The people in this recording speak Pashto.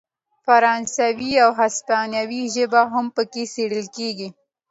فرانسوي او هسپانوي ژبې هم پکې څیړل کیږي.